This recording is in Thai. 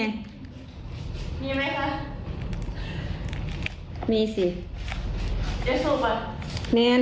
แล้วก็ยัดไส้บุหรี่มาให้กัน